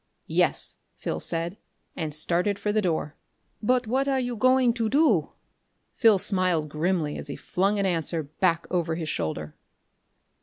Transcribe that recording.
"Yes," Phil said, and started for the door. "But what you going to do?" Phil smiled grimly as he flung an answer back over his shoulder.